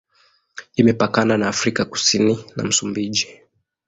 Imepakana na Afrika Kusini na Msumbiji.